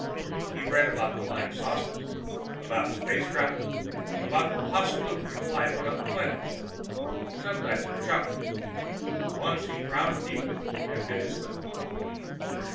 He read about Flying Saucers, about space travel, about the possibility of life on other planets. Sometimes he chuckled. Once he frowned deeply and bit his lip.